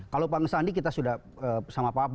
kalau pak ngesandi kita sudah sama pak beliau juga